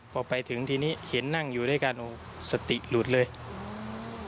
พอไปถึงทีนี้เห็นนั่งอยู่ด้วยกันโอ้สติหลุดเลย